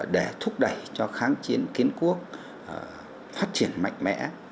để thúc đẩy cho kháng chiến kiến quốc phát triển mạnh mẽ